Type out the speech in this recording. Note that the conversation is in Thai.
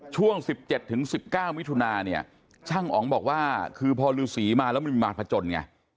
ช่วง๑๗๑๙วิทยาลัยช่างอ๋องบอกว่าคือพอฤษีมาแล้วมีมารพจนไง